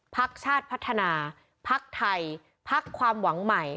ภักดิ์ชาติพัฒนาภักดิ์ไทยภักดิ์ความหวังใหม่